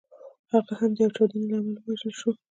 هغه هم د یوې چاودنې له امله ووژل شو.